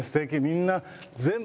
みんな。